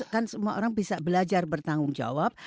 kan semua orang bisa belajar bertanggung jawab